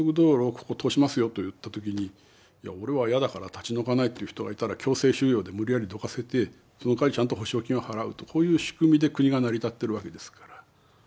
ここ通しますよといった時に俺は嫌だから立ち退かないという人がいたら強制収用で無理やりどかせてそのかわりちゃんと補償金を払うとこういう仕組みで国が成り立ってるわけですから。